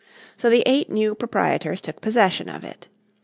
So the eight new proprietors took possession of it.